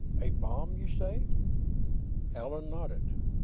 A bomb, you say?" Allan nodded.